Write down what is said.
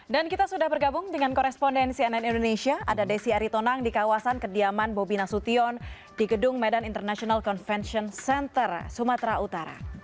dan kita sudah bergabung dengan korespondensi ann indonesia ada desi aritonang di kawasan kediaman bobina sution di gedung medan international convention center sumatera utara